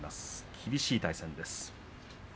厳しい対戦です。